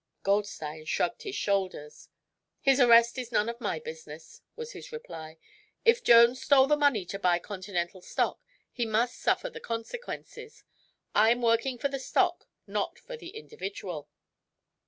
Goldstein shrugged his shoulders. "His arrest is none of my business," was his reply. "If Jones stole the money to buy Continental stock he must suffer the consequences. I'm working for the stock, not for the individual."